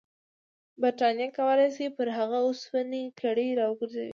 برټانیه کولای شي پر هغه د اوسپنې کړۍ راوګرځوي.